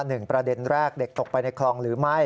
หนึ่งประเด็นแรกเด็กตกไปในคลองหรือไม่